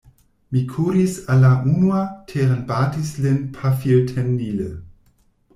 Mi kuris al la unua, terenbatis lin pafiltenile.